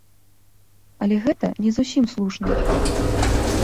Але гэта не зусім слушна.